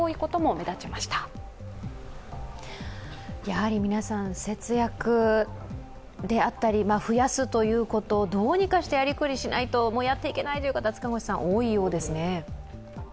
やはり皆さん節約であったり増やすということ、どうにかしてやりくりしないとやっていけないという方が多いですね。